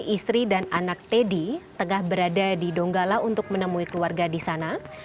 istri dan anak teddy tengah berada di donggala untuk menemui keluarga di sana